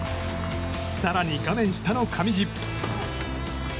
更に画面下の上地。